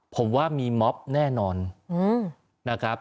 ผมว่ามีม็อบแน่นอนนะครับ